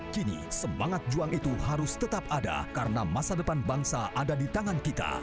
kini semangat juang itu harus tetap ada karena masa depan bangsa ada di tangan kita